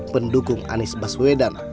pendukung anies baswedan